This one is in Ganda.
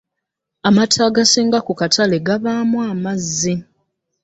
Amata agasinga ku katale gabaamu amazzi.